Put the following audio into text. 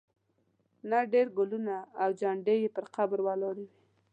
نه ډېر ګلونه او جنډې یې پر قبر ولاړې وې.